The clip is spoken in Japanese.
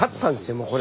もうこれ。